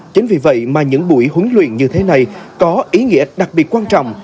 chính vì vậy mà những buổi huấn luyện như thế này có ý nghĩa đặc biệt quan trọng